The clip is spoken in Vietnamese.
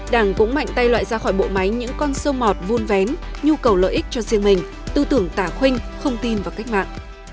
đảng cũng mạnh tay loại ra khỏi bộ máy những con sơ mọt vuôn vén nhu cầu lợi ích cho riêng mình tư tưởng tả khuynh không tin vào cách mạng